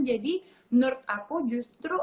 jadi menurut aku justru